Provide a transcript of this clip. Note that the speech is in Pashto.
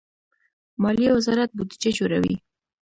مالیې وزارت بودجه جوړوي